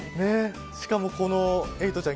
しかもエイトちゃん